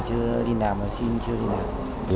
chưa đi làm thì xin chưa đi làm